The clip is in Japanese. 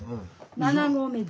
７合目で。